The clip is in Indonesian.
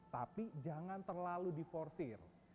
tapi jangan terlalu diforsir